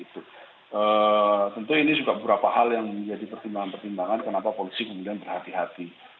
tentu ini juga beberapa hal yang menjadi pertimbangan pertimbangan kenapa polisi kemudian berhati hati